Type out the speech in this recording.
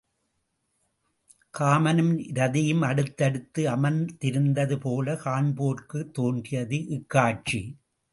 காமனும் இரதியும் அடுத்தடுத்து அமர்ந்திருந்தது போலக் காண்போர்க்குத் தோன்றியது, இக் காட்சி.